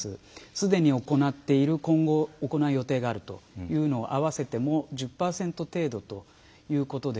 すでに行っている今後、行う予定があるというのを合わせても１０％程度ということです。